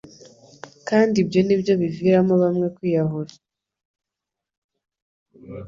kandi ibyo nibyo biviramo bamwe kwiyahura